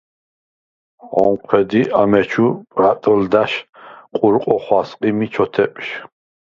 ონჴვედ ი ამეჩუ პრატჷლდა̈შ ყურყვ ოხა̈სყ ი მი ჩოთეპჟ.